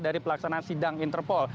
dari pelaksanaan sidang interpol